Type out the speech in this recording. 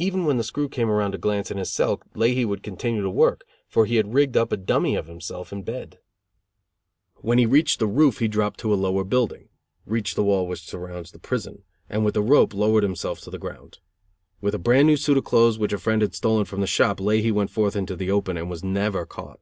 Even when the screw came around to glance in his cell Leahy would continue to work, for he had rigged up a dummy of himself in bed. When he reached the roof, he dropped to a lower building, reached the wall which surrounds the prison, and with a rope lowered himself to the ground. With a brand new suit of clothes which a friend had stolen from the shop, Leahy went forth into the open, and was never caught.